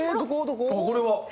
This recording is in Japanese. これは？